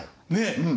うん。